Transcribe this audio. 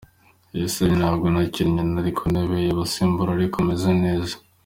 I Gisenyi ntabwo nakinnye nari ku ntebe y’abasimbura ariko meze neza.